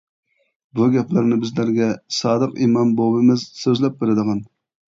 بۇ گەپلەرنى بىزلەرگە سادىق ئىمام بوۋىمىز سۆزلەپ بېرىدىغان.